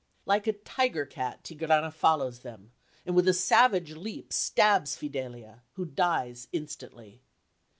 Like a tiger cat, Tigrana follows them, and with a savage leap stabs Fidelia, who dies instantly.